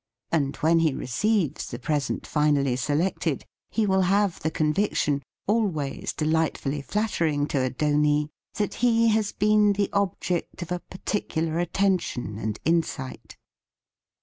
And when he receives the pres ent finally selected, he will have the conviction, always delightfidly flatter THE FEAST OF ST FRIEND ing to a donee, that he has been the ob ject of a particular attention and in sight.